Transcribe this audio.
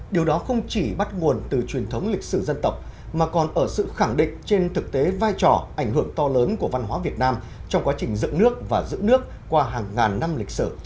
điều đó không chỉ bắt nguồn từ truyền thống lịch sử dân tộc mà còn ở sự khẳng định trên thực tế vai trò ảnh hưởng to lớn của văn hóa việt nam trong quá trình dựng nước và giữ nước qua hàng ngàn năm lịch sử